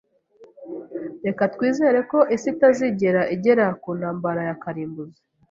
Reka twizere ko isi itazigera igera ku ntambara ya kirimbuzi.